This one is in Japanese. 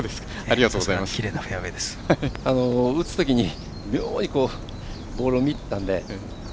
打つときに妙にボールを見てたので。